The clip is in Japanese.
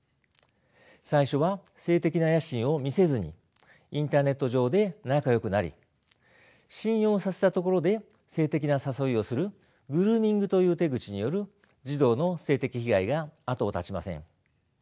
最初は性的な野心を見せずにインターネット上で仲よくなり信用させたところで性的な誘いをするグルーミングという手口による児童の性的被害が後を絶ちません。